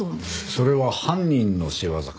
それは犯人の仕業かな？